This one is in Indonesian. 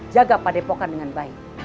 jaga pak depokan dengan baik